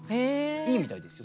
いいみたいですよそれ。